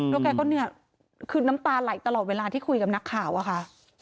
แล้วแกก็เนี่ยคือน้ำตาไหลตลอดเวลาที่คุยกับนักข่าวอะค่ะ